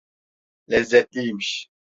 Lezzetliymiş.